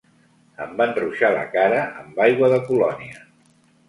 Em van ruixar la cara amb aigua de Colònia.